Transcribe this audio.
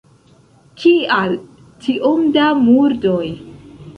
Kial tiom da murdoj?